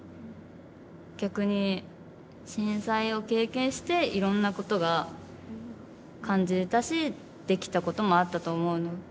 逆に震災を経験していろんなことが感じれたしできたこともあったと思うの。